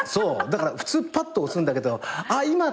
だから普通パッと押すんだけどあっ今！